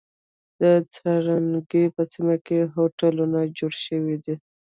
د څنارګی په سیمه کی هوټلونه جوړ شوی دی.